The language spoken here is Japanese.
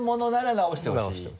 直してほしい。